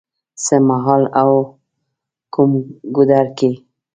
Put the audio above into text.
څه مهال او کوم ګودر کې